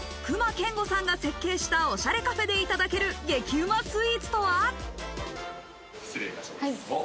隈研吾さんが設計されたおしゃれカフェでいただける激ウマスイーツとは？